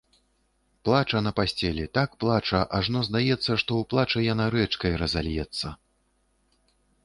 Плача на пасцелі, так плача, ажно здаецца, што ў плачы яна рэчкай разальецца.